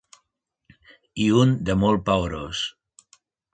I un de molt paorós.